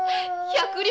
百両！？